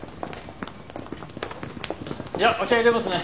じゃあお茶いれますね。